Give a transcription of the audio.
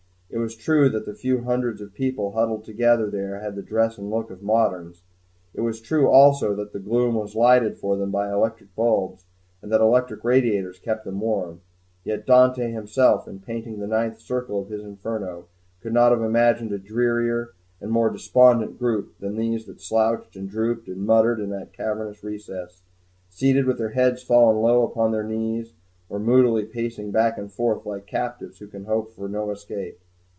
It was true that the few hundreds of people huddled together there had the dress and looks of moderns; it was true, also, that the gloom was lighted for them by electric bulbs, and that electric radiators kept them warm; yet Dante himself, in painting the ninth circle of his Inferno, could not have imagined a drearier and more despondent group than these that slouched and drooped and muttered in that cavernous recess, seated with their heads fallen low upon their knees, or moodily pacing back and forth like captives who can hope for no escape.